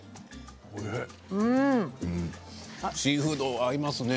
シーフード合いますね。